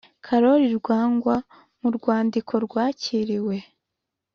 Karoli rwangwa mu rwandiko rwakiriwe